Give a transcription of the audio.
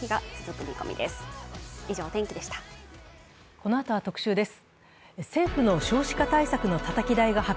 このあとは特集です。